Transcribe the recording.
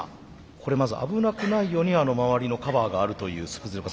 これまず危なくないように周りのカバーがあるというスプツニ子！